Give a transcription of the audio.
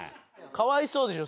かわいそうでしょ